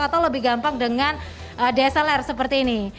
atau lebih gampang dengan dslr seperti ini